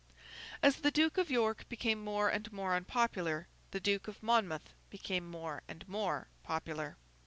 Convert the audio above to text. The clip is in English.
As the Duke of York became more and more unpopular, the Duke of Monmouth became more and more popular.